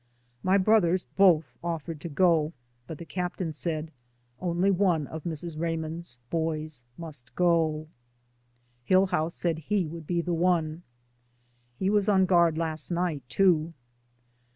My brothers both offered to go, but DAYS ON THE ROAD. i6i the captain said, "Only one of Mrs. Ray mond's boys must go." Hillhouse said he would be the one. He was on guard last night, too.